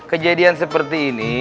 kejadian seperti ini